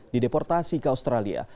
di deportasi ke australia